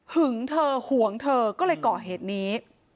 ถึงเธอห่วงเธอก็เลยก่อเหตุนี้